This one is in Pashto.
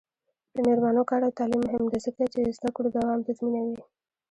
د میرمنو کار او تعلیم مهم دی ځکه چې زدکړو دوام تضمینوي.